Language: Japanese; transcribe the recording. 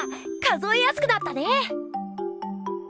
数えやすくなったね！